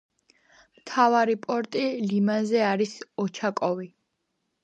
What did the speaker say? მთავარი პორტი ლიმანზე არის ოჩაკოვი.